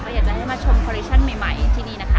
อยากจะให้มาชมคอเลชั่นใหม่ที่นี่นะคะ